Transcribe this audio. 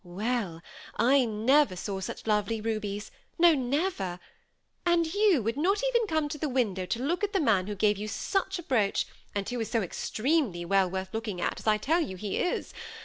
" Well, I never saw such lovely rubies — no, never. And you would not even come to the window to look at the man who gave you such a brooch, and who is so extremely well worth looking at, as I tell you he is.